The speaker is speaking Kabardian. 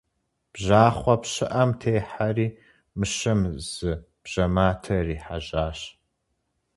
Бжьахъуэ пщыӏэм техьэри, мыщэм зы бжьэматэ ирихьэжьащ.